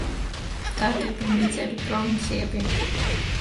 შტატები, მიწები, პროვინციები.